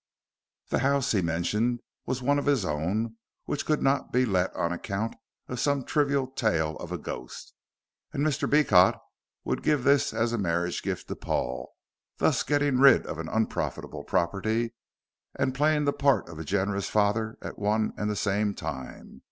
The house, he mentioned, was one of his own which could not be let on account of some trivial tale of a ghost, and Mr. Beecot would give this as a marriage gift to Paul, thus getting rid of an unprofitable property and playing the part of a generous father at one and the same time.